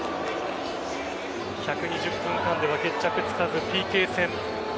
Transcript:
１２０分間では決着つかずＰＫ戦。